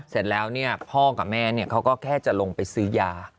เสร็จแล้วพ่อกับแม่เขาก็แค่จะลงไปซื้อยา